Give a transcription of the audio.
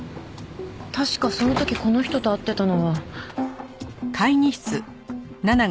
確かその時この人と会ってたのは。